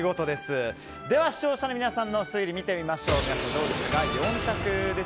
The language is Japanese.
では視聴者の皆さんの推理を見てみましょう。